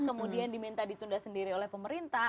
kemudian diminta ditunda sendiri oleh pemerintah